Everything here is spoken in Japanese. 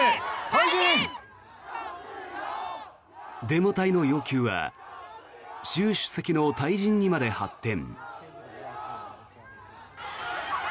デモ隊の要求は習主席の退陣にまで発展。